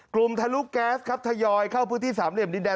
ทะลุแก๊สครับทยอยเข้าพื้นที่สามเหลี่ยมดินแน